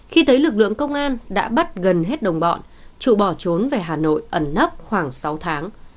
khi thấy lực lượng công an đã bắt gần hết đồng bọn trụ bỏ trốn về hà nội ẩn nấp khoảng sáu tháng